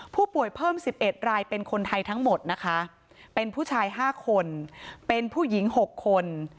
ผู้ป่วยเพิ่ม๑๑รายเป็นคนไทยทั้งหมดนะคะเป็นผู้ชาย๕คนเป็นผู้หญิง๖คน